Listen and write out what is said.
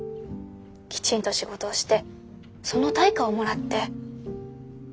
きちんと仕事をしてその対価をもらって。